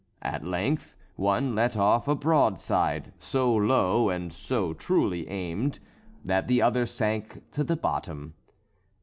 At length one let off a broadside, so low and so truly aimed, that the other sank to the bottom.